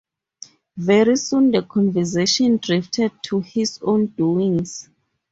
Very soon the conversation drifted to his own doings.